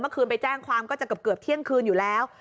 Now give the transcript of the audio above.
เมื่อคืนไปแจ้งความก็จะเกือบเกือบเที่ยงคืนอยู่แล้ว